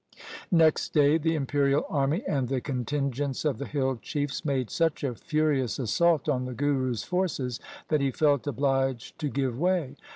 Next day the imperial army and the contingents of the hill chiefs made such a furious assault on the Guru's forces that he felt obliged to give way.